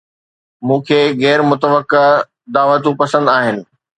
مون کي غير متوقع دعوتون پسند آهن